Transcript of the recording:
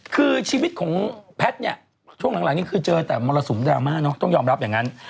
คือชีวิตของแพทย์เนี่ยช่วงหลังนี้คือเจอแต่มรสุมดราม่าเนอะต้องยอมรับอย่างนั้น